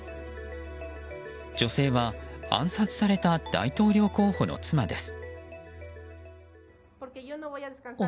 女性は暗殺された大統領候補の妻です。